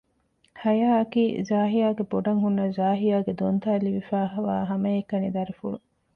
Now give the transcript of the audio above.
ހަޔާ އަކީ ޒާހިޔާގެ ބޮޑަށް ހުންނަ ޒާހިޔާގެ ދޮންތަ އަށް ލިބިފައިވާ ހަމަ އެކަނި ދަރިފުޅު